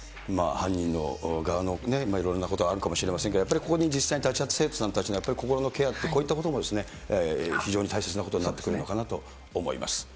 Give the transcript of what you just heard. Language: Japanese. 犯人側のいろいろなことがあるかもしれませんけれども、やっぱりここに実際に立ち会った生徒さんたちの心のケア、こういったことも非常に大切なことになってくるのかなと思います。